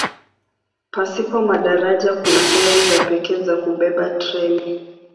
Pasipo madaraja kuna feri za pekee za kubeba treni.